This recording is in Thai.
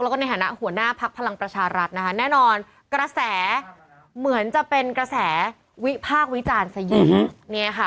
แล้วก็ในฐานะหัวหน้าพักพลังประชารัฐนะคะแน่นอนกระแสเหมือนจะเป็นกระแสวิพากษ์วิจารณ์ซะเยอะ